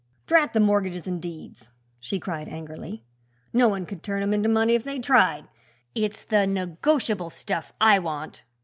"Drat the mortgages an' deeds!" she cried angrily; "no one could turn 'em into money if they tried; it's the negotiable stuff I want.